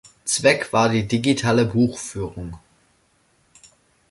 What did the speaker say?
Zweck war die digitale Buchführung.